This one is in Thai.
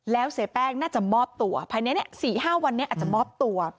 แล้วเสียแป้งน่าจะมอบตัวภายใน๔๕วันนี้อาจจะมอบตัว